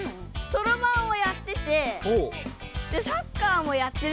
そろばんをやっててサッカーもやってるから。